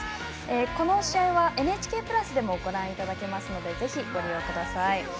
この試合は「ＮＨＫプラス」でもご覧いただけますのでぜひご利用ください。